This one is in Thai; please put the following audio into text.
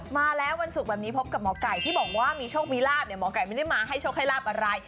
มาแล้ววันศุกร์แบบนี้พบกับหมอไก่ที่บอกว่ามีโชคมีลาบเนี่ยหมอไก่ไม่ได้มาให้โชคให้ลาบอะไร